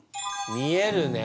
見えるね。